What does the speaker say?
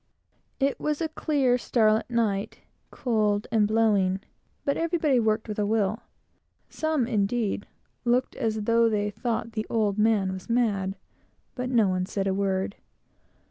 It was a clear starlight night, cold and blowing; but everybody worked with a will. Some, indeed, looked as though they thought the "old man" was mad, but no one said a word.